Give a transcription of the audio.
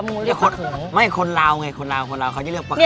มึงเรียกปลาเขิงไม่คนราวไงคนราวคนราวเขาจะเรียกปลาเขิง